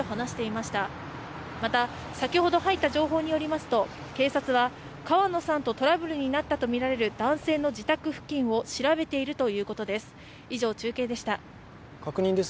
また、先ほど入った情報によりますと警察は、川野さんとトラブルになったとみられる男性の自宅付近を調べているということです。